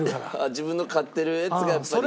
自分の飼ってるやつがやっぱり。